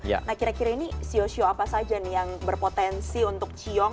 nah kira kira ini sio sio apa saja nih yang berpotensi untuk ciong